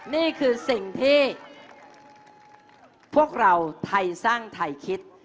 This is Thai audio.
นี่คือสิ่งที่พวกเราไทยสร้างไทยคิด